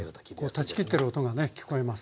こう断ち切ってる音がね聞こえます。